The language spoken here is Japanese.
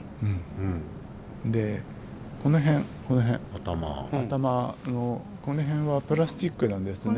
頭のこの辺はプラスチックなんですね。